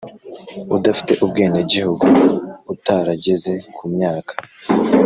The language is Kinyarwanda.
Udafite ubwenegihugu utarageza ku myaka